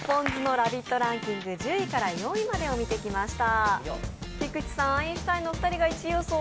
ランキング１０位から４位までを見てきました。